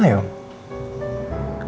gak ada buktinya kan